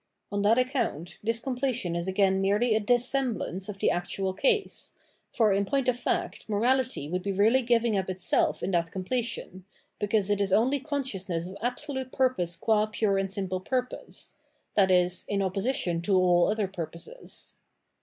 On that account, this completion is again merely a dissemblance of the actual case ; for in point of fact morality would be really giving up itself in that completion, because it is only consciousness of absolute purpose qua pure and simple purpose, i.e. in opposition to all other purposes.